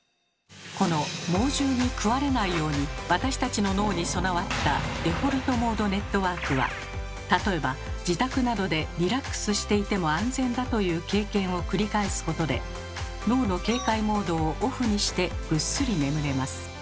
この猛獣に食われないように私たちの脳に備わったデフォルトモードネットワークは例えば自宅などでリラックスしていても安全だという経験を繰り返すことで脳の警戒モードをオフにしてぐっすり眠れます。